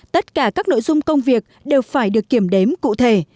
tất cả các nội dung công việc đều phải được kiểm đếm cụ thể